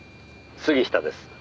「杉下です」